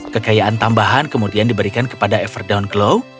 kekayaan tambahan kemudian diberikan kepada everdown glow